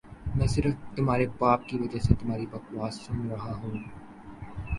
میں صرف تمہارے باپ کی وجہ سے تمہاری بکواس سن ربا